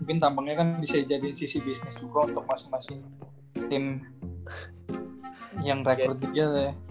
mungkin tampangnya kan bisa jadiin sisi bisnis gua untuk masing masing tim yang record juga